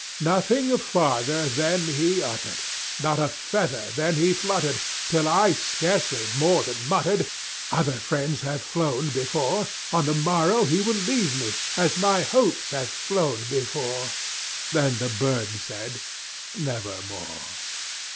Nothing farther then he uttered—not a feather then he fluttered— Till I scarcely more than muttered "Other friends have flown before— On the morrow he will leave me, as my hopes have flown before." Then the bird said "Nevermore."